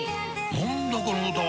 何だこの歌は！